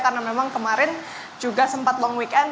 karena memang kemarin juga sempat long weekend